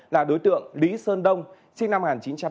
là đối tượng lý sơn đông sinh năm một nghìn chín trăm tám mươi